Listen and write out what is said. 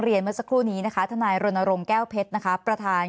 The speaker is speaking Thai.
เรียนเมื่อสักครู่นี้นะคะทะนายโรนอารมณ์แก้วเผ็ดนะคะประธาณ